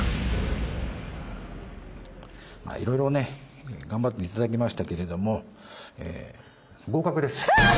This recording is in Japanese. いろいろね頑張って頂きましたけれども合格です。わ！